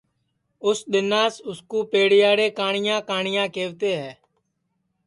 اُس دؔناس اُس پیڑیاڑے کاٹؔیا کاٹؔیا کیہوتے ہے